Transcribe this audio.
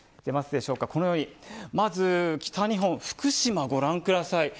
まず、北日本福島をご覧ください。